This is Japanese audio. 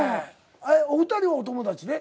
えっお二人はお友達で？